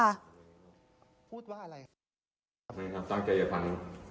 ตั้งใจอย่าฟัน